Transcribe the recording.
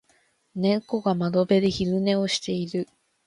猫が窓辺で昼寝をしている。